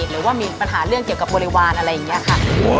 หรือว่ามีปัญหาเรื่องเกี่ยวกับบริวารอะไรอย่างนี้ค่ะ